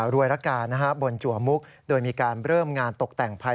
รวยระกาบนจัวมุกโดยมีการเริ่มงานตกแต่งภัย